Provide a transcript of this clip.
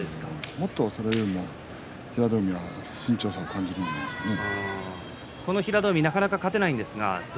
もっとそれよりも平戸海は身長差を感じるんじゃないですか。